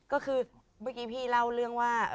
ก็คือเมื่อกี้พี่เล่าเรื่องว่า